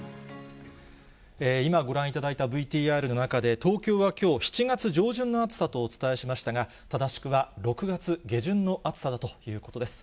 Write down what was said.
今、ご覧いただいたＶＴＲの中で東京はきょう７月上旬の暑さとお伝えしましたが、正しくは６月下旬の暑さだということです。